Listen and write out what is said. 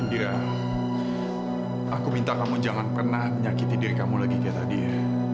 indira aku minta kamu jangan pernah menyakiti diri kamu lagi kayak tadi ya